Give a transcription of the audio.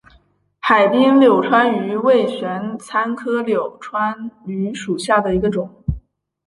海滨柳穿鱼为玄参科柳穿鱼属下的一个种。